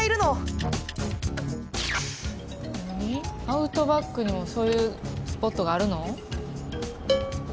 アウトバックにもそういうスポットがあるの？